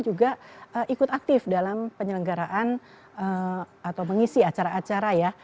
juga ikut aktif dalam penyelenggaraan atau mengisi acara acara ya